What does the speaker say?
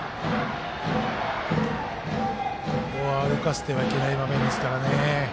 ここは歩かせてはいけない場面ですからね。